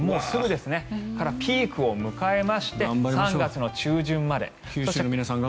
そこからピークを迎えまして３月の中旬まで。